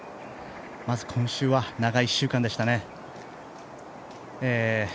まず今週は長い１週間でしたね。